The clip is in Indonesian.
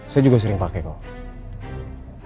saya juga sering pakai kok